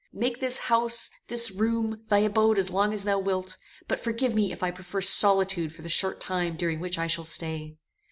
Make this house, this room, thy abode as long as thou wilt, but forgive me if I prefer solitude for the short time during which I shall stay."